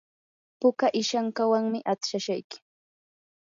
puka ishankawanmi astashayki.